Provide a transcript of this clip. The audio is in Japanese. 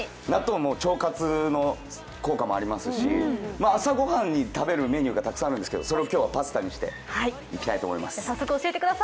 納豆も腸活の効果もありますし、朝御飯に食べるメニューがたくさんあるんですけどそれを今日はパスタにしていきたいと思います。